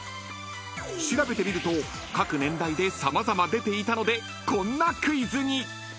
［調べてみると各年代で様々出ていたのでこんなクイズに］